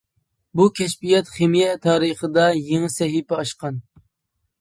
بۇ كەشپىيات خىمىيە تارىخىدا يېڭى سەھىپە ئاچقان.